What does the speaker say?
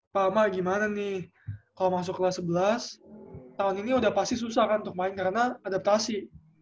pak ama gimana nih kalau masuk kelas sebelas tahun ini udah pasti susah kan untuk main karena adaptasi